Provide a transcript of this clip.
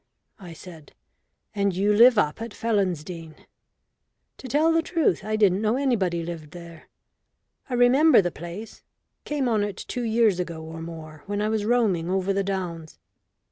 I said. "And you live up at Felonsdene. To tell the truth, I didn't know anybody lived there. I remember the place came on it two years ago or more when I was roaming over the downs.